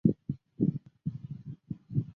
刘仲容早年毕业于湖南省立第一师范学校。